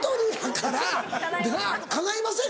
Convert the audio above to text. かないません？